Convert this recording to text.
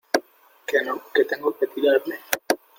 que no, que tengo que tirarme.